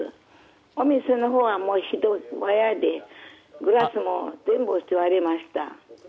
お店のほうは、もうひどいものでガラスも全部割れました。